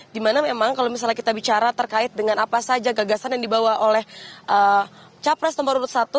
dimana memang kalau misalnya kita bicara terkait dengan apa saja gagasan yang dibawa oleh capres nomor urut satu